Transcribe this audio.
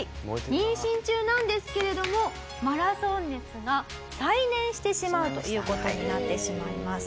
妊娠中なんですけれどもマラソン熱が再燃してしまうという事になってしまいます。